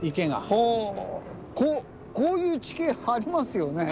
こういう地形ありますよね。